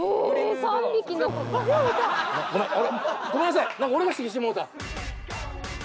ごめんなさい俺が。